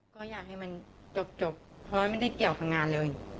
ก็อยากให้มันจบเพราะไม่ได้เกี่ยวกับงานเลย